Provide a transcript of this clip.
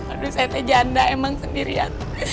aduh saya teh janda emang sendirian